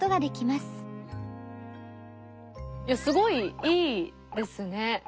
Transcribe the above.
いやすごいいいですね。